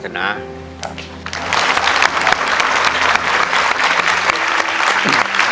ครับ